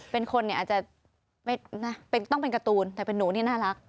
เป็นคนเนี่ยอาจจะไม่ต้องเป็นการ์ตูนแต่เป็นหนูนี่น่ารัก